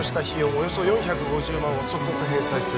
およそ４５０万は即刻返済するように